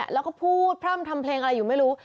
แล้วก็พูดพร่ำทำเพลงอะไรอยู่ไม่รู้